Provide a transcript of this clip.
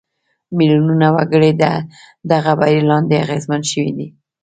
میلیونونه وګړي د دغه بهیر لاندې اغېزمن شوي دي.